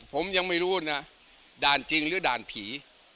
ผมยังไม่รู้นะด่านจริงหรือด่านผี